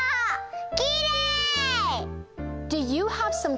きれい！